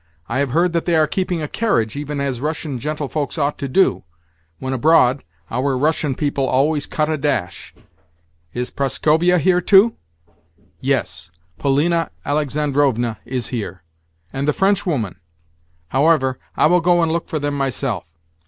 I have heard that they are keeping a carriage, even as Russian gentlefolks ought to do. When abroad, our Russian people always cut a dash. Is Prascovia here too?" "Yes. Polina Alexandrovna is here." "And the Frenchwoman? However, I will go and look for them myself.